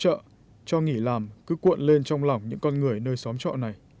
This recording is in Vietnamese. trong những ngày tháng dịch bệnh những suy nghĩ làm cứ cuộn lên trong lòng những con người nơi xóm trọ này